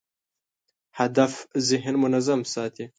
هدف ذهن منظم ساتي.